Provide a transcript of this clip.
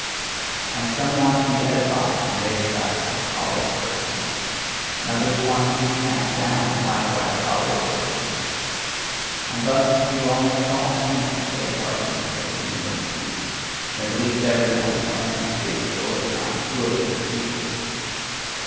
And some want to be edified and raised up, and call it virtue: and others want to be cast down, and likewise call it virtue. And thus do almost all think that they participate in virtue; and at least every one claimeth to be an authority on "good" and "evil."